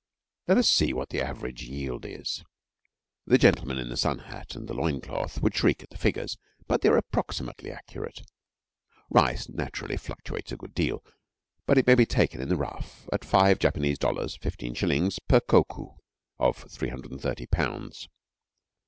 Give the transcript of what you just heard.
Let us see what the average yield is. The gentleman in the sun hat and the loin cloth would shriek at the figures, but they are approximately accurate. Rice naturally fluctuates a good deal, but it may be taken in the rough at five Japanese dollars (fifteen shillings) per koku of 330 lbs.